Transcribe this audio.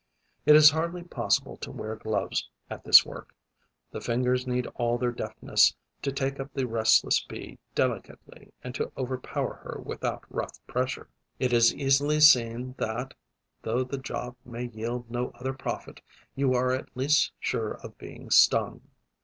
It is hardly possible to wear gloves at this work: the fingers need all their deftness to take up the restless Bee delicately and to overpower her without rough pressure. It is easily seen that, though the job may yield no other profit, you are at least sure of being stung.